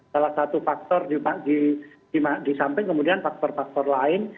salah satu faktor disamping kemudian faktor faktor lain